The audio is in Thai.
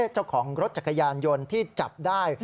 เจ้าของรถจักรยานยนต์ที่จับได้